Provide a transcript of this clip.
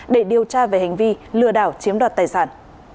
để điều tra về hành vi lừa đảo chiếm đoạt tài sản